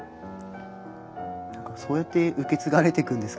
そうやって受け継がれていくんですかね